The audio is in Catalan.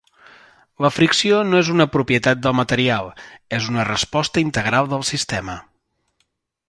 La fricció no és una propietat del material, és una resposta integral del sistema.